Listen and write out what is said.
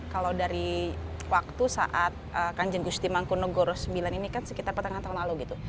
kalau dari waktu saat kanjen gusti mangkunagara ke sembilan ini kan sekitar petang petang lalu gitu